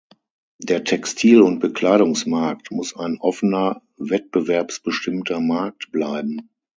Der Textil- und Bekleidungsmarkt muss ein offener wettbewerbsbestimmter Markt bleiben.